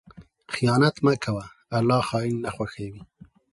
خیانت مه کوه، الله خائن نه خوښوي.